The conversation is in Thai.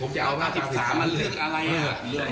จะเอามาตรา๑๓มาเลือกอะไรอ่ะ